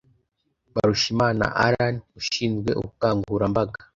Mbarushimana Alain ushinzwe ubukangurambaga